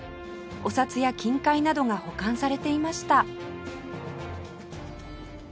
お札や金塊などが保管されていました